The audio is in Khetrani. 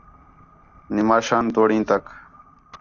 نماشان توڑیں تک